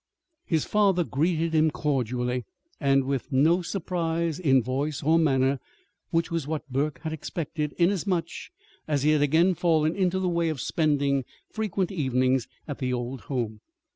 His father greeted him cordially, and with no surprise in voice or manner which was what Burke had expected, inasmuch as he had again fallen into the way of spending frequent evenings at the old home.